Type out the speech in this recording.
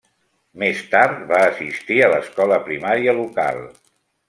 Més tard va assistir a l'escola primària local.